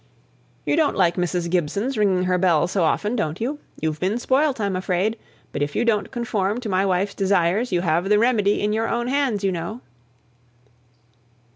"You don't like Mrs. Gibson's ringing her bell so often, don't you? You've been spoilt, I'm afraid; but if you don't conform to my wife's desires, you have the remedy in your own hands, you know."